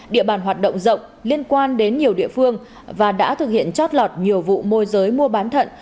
địa bàn hoạt động rộng liên quan đến nhiều địa phương và đã thực hiện chót lọt nhiều vụ môi giới mua bán thận